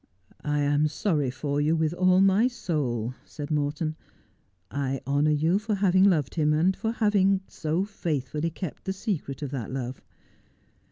' I am sorry for you with all my soul,' said Morton. ' I honour you for having loved him, and for having so faithfully kept the secret of that love.